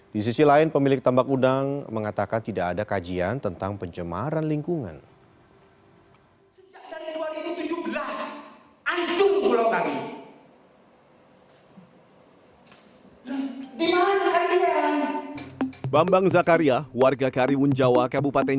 di sisi lain pemilik tambak udang mengatakan tidak ada kajian tentang pencemaran lingkungan